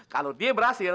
kalau dia berhasil